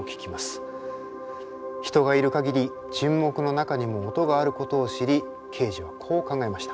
人がいる限り沈黙の中にも音があることを知りケージはこう考えました。